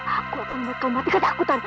aku akan membuatmu mati karena takutan